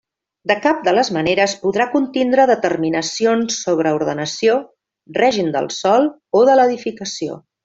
De cap de les maneres podrà contindre determinacions sobre ordenació, règim del sòl o de l'edificació.